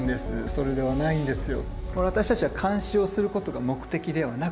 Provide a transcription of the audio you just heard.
それではないんですよ。